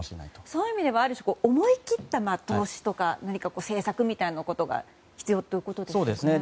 そういう意味では思い切った投資とか何か政策みたいなことが必要ということですよね。